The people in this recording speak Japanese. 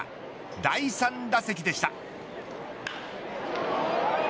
第３打席でした。